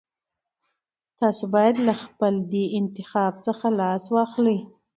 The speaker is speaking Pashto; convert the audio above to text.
تاسو بايد له خپل دې انتخاب څخه لاس واخلئ.